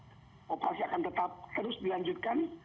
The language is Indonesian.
ia mengatakan bahwa operasi akan tetap terus dilanjutkan